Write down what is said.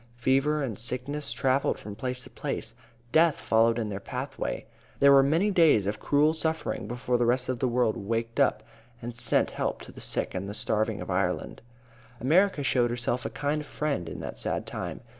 Fever and sickness travelled from place to place. Death followed in their pathway. There were many days of cruel suffering before the rest of the world waked up and sent help to the sick and the starving in Ireland. America showed herself a kind friend in that sad time.